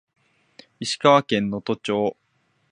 石川県能登町